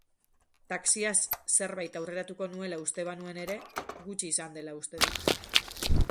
Taxiaz zerbait aurreratuko nuela uste banuen ere, gutxi izan dela uste dut.